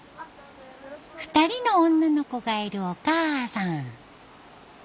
２人の女の子がいるお母さん。